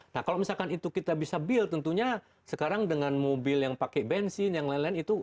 nah kalau misalkan itu kita bisa build tentunya sekarang dengan mobil yang pakai bensin yang lain lain itu